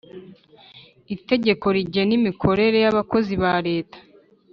Itegeko rigena imikorere yabakozi ba leta